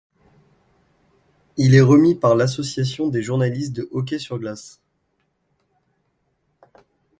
Il est remis par l'association des journalistes de hockey sur glace.